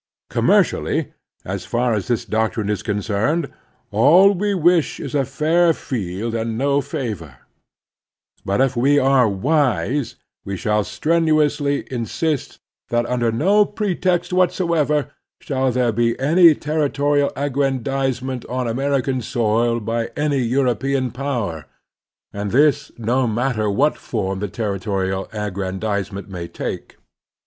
Commercially, as far as this doctrine is concerned, all we wish is a fair field and no favor ; but if we are wise we shall strenuously insist that under no pretext whatsoever shall there be any territorial aggrandizement on American soil by any Eiu"opean power, and this, no matter what form the territorial aggrandizement may take.